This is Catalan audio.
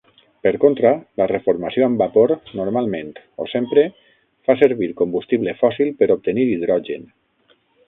Per contra, la reformació amb vapor normalment, o sempre, fa servir combustible fòssil per obtenir hidrogen.